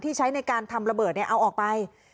ใช้ในการทำระเบิดเอาออกไป